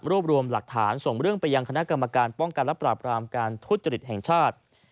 รวมรวมหลักฐานส่งเรื่องไปยังคณะกรรมการป้องกันและปราบรามการทุจริตแห่งชาติ